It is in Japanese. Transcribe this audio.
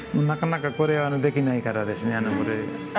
なかなか、これはできないから。